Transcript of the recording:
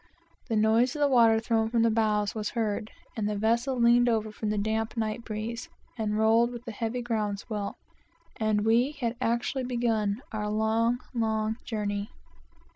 The noise of the water thrown from the bows began to be heard, the vessel leaned over from the damp night breeze, and rolled with the heavy ground swell, and we had actually begun our long, long journey.